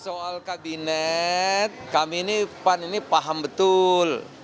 soal kabinet kami ini pan ini paham betul